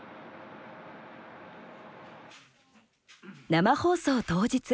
生放送当日。